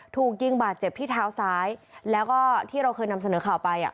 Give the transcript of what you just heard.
ถูกยิงบาดเจ็บที่เท้าซ้ายแล้วก็ที่เราเคยนำเสนอข่าวไปอ่ะ